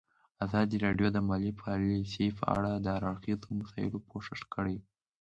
ازادي راډیو د مالي پالیسي په اړه د هر اړخیزو مسایلو پوښښ کړی.